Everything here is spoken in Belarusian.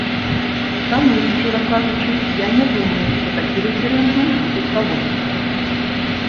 Таму, шчыра кажучы, я не думаю, што такі рэферэндум будзе праводзіцца.